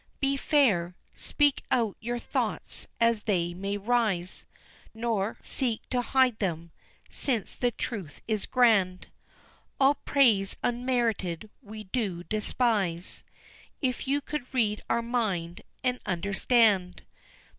Be fair, speak out your thoughts as they may rise, Nor seek to hide them, since the truth is grand All praise unmerited we do despise, If you could read our mind, and understand.